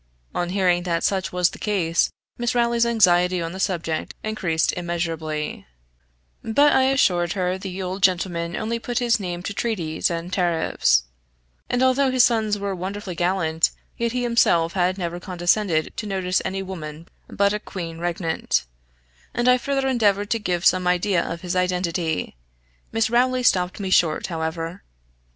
On hearing that such was the case, Miss Rowley's anxiety on the subject increased immeasurably; but I assured her the old gentleman only put his name to treaties, and tariffs; and although his sons were wonderfully gallant, yet he himself had never condescended to notice any woman but a queen regnant: and I further endeavored to give some idea of his identity. Miss Rowley stopped me short, however.